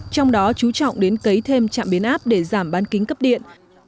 trong đó chú trọng đến cấy thêm trạm biến áp để giảm bán kính cấp điện